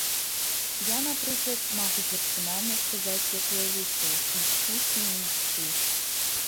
Я, напрыклад, магу персанальна сказаць як я лічу, ісці ці не ісці.